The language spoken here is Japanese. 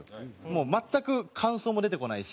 もう全く感想も出てこないし。